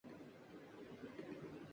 جگنو کوئی پاس ہی سے بولا